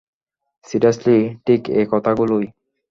Seriously, ঠিক এই কথাগুলোই।